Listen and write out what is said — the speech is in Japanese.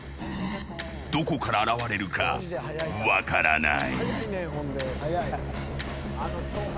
どこから現れるか分からない。